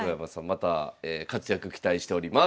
また活躍期待しております。